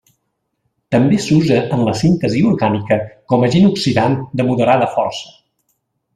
També s'usa en la síntesi orgànica com agent oxidant de moderada força.